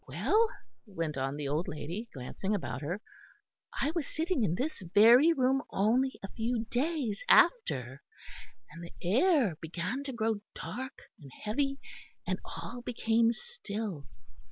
"Well," went on the old lady, glancing about her, "I was sitting in this very room only a few days after, and the air began to grow dark and heavy, and all became still.